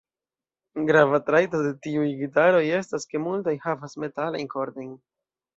Grava trajto de tiuj gitaroj estas ke multaj havas metalajn kordojn.